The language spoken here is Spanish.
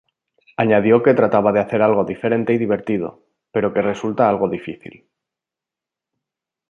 Añadió que trataba de hacer algo diferente y divertido, pero que resulta algo difícil.